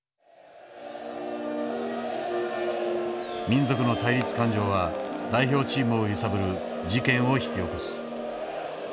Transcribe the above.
民族の対立感情は代表チームを揺さぶる事件を引き起こす。